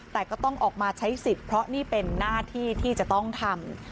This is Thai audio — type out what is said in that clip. แต่ก็ต้องออกมาใช้สิทธิ์เพราะนี่เป็นหน้าที่ที่จะต้องทำ